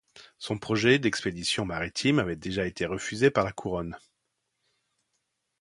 Son projet d'expédition maritime avait déjà été refusé par la Couronne.